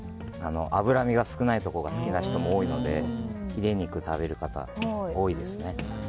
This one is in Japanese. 脂身が少ないところが好きな人も多いのでヒレ肉食べる方、多いですね。